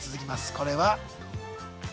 これは？